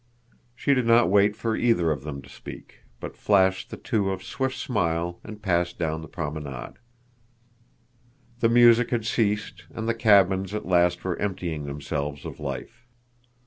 She did not wait for either of them to speak, but flashed the two a swift smile and passed down the promenade. The music had ceased and the cabins at last were emptying themselves of life.